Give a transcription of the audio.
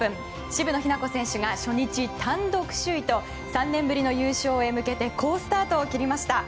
渋野日向子選手が初日単独首位と３年ぶりの優勝へ向けて好スタートを切りました。